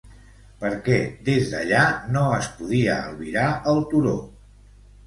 Per què des d'allà no es podia albirar el turó?